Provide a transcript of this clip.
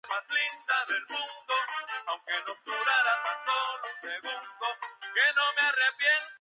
Maurice creció con su familia en Chorlton-cum-Hardy, Mánchester, Inglaterra.